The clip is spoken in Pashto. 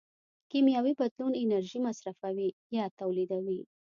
کیمیاوي بدلون انرژي مصرفوي یا تولیدوي.